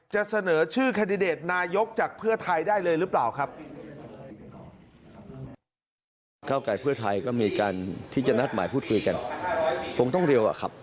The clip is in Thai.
จะเสนอชื่อแคนดิเดตนายกจากเพื่อไทยได้เลยหรือเปล่าครับ